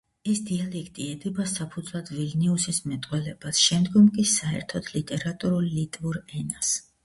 ეს დიალექტი ედება საფუძვლად ვილნიუსის მეტყველებას, შემდგომ კი, საერთოდ, ლიტერატურულ ლიტვურ ენას.